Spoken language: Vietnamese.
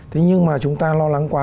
thế nhưng mà chúng ta lo lắng quá